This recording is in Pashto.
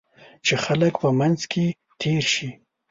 چې خلک په منځ کې تېر شي.